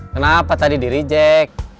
kenapa tadi dirijek